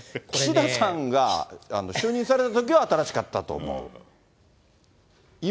岸田さんが就任されたときは新しかったと思う。